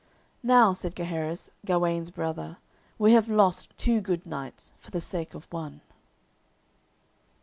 "Now," said Gaheris, Gawaine's brother, "we have lost two good knights for the sake of one."